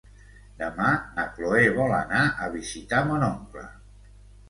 Demà na Cloè vol anar a visitar mon oncle.